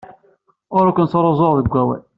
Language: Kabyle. Ur ken-ttruẓuɣ deg wawal.